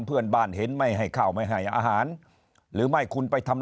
เพื่อนบ้านเห็นไม่ให้ข้าวไม่ให้อาหารหรือไม่คุณไปทำ